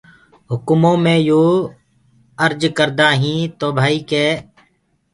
هُڪمو مي يو ارج ڪردآ هينٚ تو ڀآئي ڪي۔